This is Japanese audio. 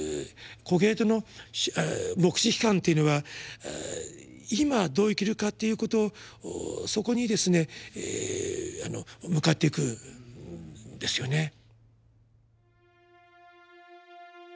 コヘレトの黙示批判っていうのは今どう生きるかっていうことそこにですね向かっていくんですよね。